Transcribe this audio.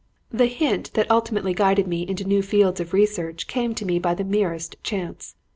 "The hint that ultimately guided me into new fields of research came to me by the merest chance.